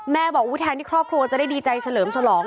แม่บอกแทนที่ครอบครัวจะได้ดีใจเฉลิมฉลอง